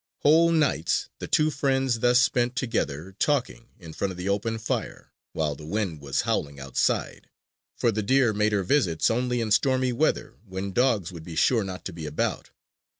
Whole nights the two friends thus spent together, talking in front of the open fire, while the wind was howling outside; for the deer made her visits only in stormy weather when dogs would be sure not to be about.